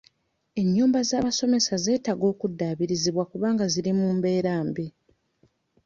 Enyumba z'abasomesa zeetaaga okuddaabirizibwa kubanga ziri mu mbeera mbi.